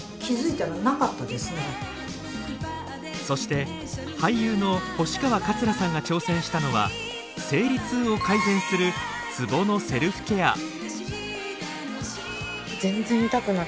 そして俳優の星川桂さんが挑戦したのは生理痛を改善するツボのセルフケア。